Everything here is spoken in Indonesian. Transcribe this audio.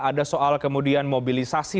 ada soal kemudian mobilisasi